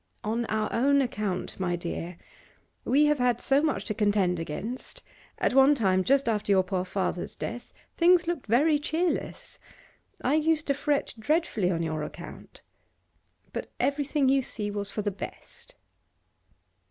'On our own account, my dear. We have had so much to contend against. At one time, just after your poor father's death, things looked very cheerless: I used to fret dreadfully on your account. But everything, you see, was for the best.